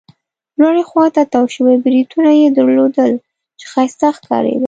لوړې خوا ته تاو شوي بریتونه يې درلودل، چې ښایسته ښکارېده.